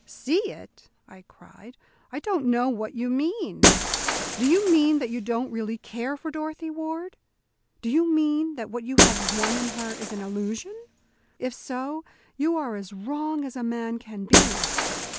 "See it?" I cried. "I don't know what you mean. Do you mean that you don't really care for Dorothy Ward? Do you mean that what you have won in her is an illusion? If so, you are as wrong as a man can be."